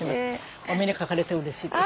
お目にかかれてうれしいです。